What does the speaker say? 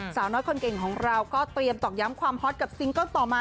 สาวน้อยคนเก่งของเราก็เตรียมตอกย้ำความฮอตกับซิงเกิ้ลต่อมา